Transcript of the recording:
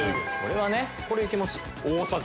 これいけます？